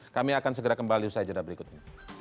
kami akan segera kembali usai jadwal berikut ini